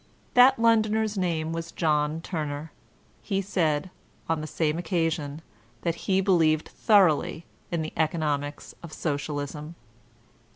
That Londoner's name was John Turner; he said, on the same occasion, that he believed thoroughly in the economics of Socialism.